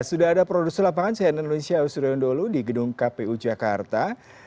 sudah ada produser lapangan saya nenunisya usuryo yondolu di gedung kpu jakarta